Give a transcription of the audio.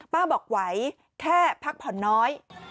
ป้าบอกไว้แค่พักผ่อนน้อย